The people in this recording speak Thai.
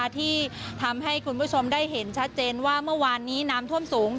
ที่ทำให้คุณผู้ชมได้เห็นชัดเจนว่าเมื่อวานนี้น้ำท่วมสูง